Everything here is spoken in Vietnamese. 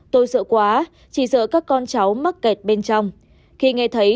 tôi sợ quá chỉ sợ các con cháu mắc kẹt bên trong